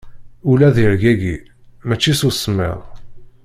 Ul ad yergagi, mačči seg semmiḍ.